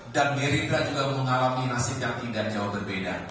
dan merindra juga mengalami nasib yang tidak jauh berbeda